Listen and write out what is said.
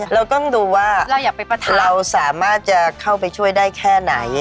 เราต้องดูว่าเราสามารถจะเข้าไปช่วยได้แค่ไหน